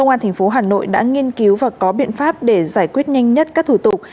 ubnd tp hcm đã nghiên cứu và có biện pháp để giải quyết nhanh nhất các thủ tục